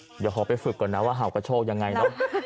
เดี๋ยวขอไปฝึกก่อนนะว่าเห่ากระโชคยังไงเนอะ